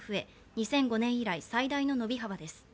２００５年以来最大の伸び幅です。